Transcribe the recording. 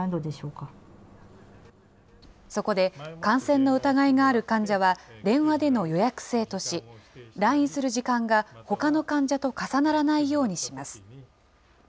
そこで感染の疑いがある患者は電話での予約制とし、来院する時間がほかの患者と重ならないようにします。